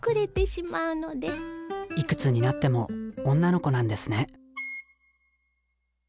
いくつになっても女の子なんですね